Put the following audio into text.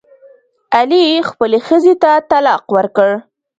علي خپلې ښځې ته طلاق ورکړ.